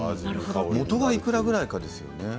元がいくらぐらいかですよね。